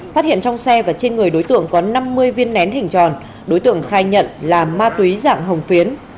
phát hiện trong xe và trên người đối tượng có năm mươi viên nén hình tròn đối tượng khai nhận là ma túy dạng hồng phiến